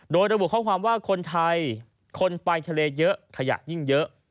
โดยระบุข้อความว่าคนไทยคนไปทะเลเยอะขยะยิ่งเยอะ